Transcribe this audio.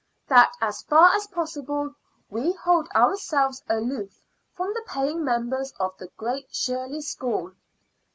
_ That as far as possible we hold ourselves aloof from the paying members of the Great Shirley School."